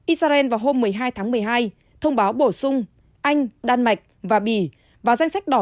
israel vào hôm một mươi hai tháng một mươi hai thông báo bổ sung anh đan mạch và bỉ vào danh sách đỏ